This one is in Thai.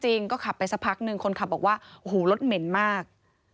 ก็ขับไปสักพักนึงคนขับบอกว่าโอ้โหรถเหม็นมาก